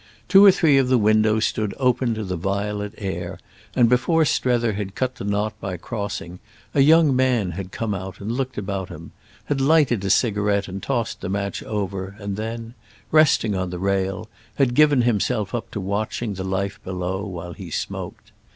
Two or three of the windows stood open to the violet air; and, before Strether had cut the knot by crossing, a young man had come out and looked about him, had lighted a cigarette and tossed the match over, and then, resting on the rail, had given himself up to watching the life below while he smoked.